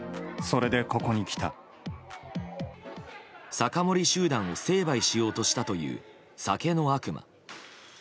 酒盛り集団を成敗しようとしたという酒の悪魔。